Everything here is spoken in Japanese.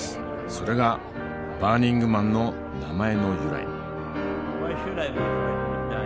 それが「バーニングマン」の名前の由来。